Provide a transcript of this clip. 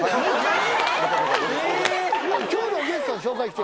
今日のゲストを紹介して。